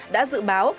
đã dự báo